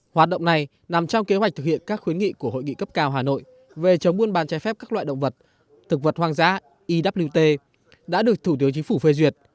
hoạt động này nằm trong kế hoạch thực hiện các khuyến nghị của hội nghị cấp cao hà nội về chống buôn bán trái phép các loại động vật thực vật hoang dã iwt đã được thủ tướng chính phủ phê duyệt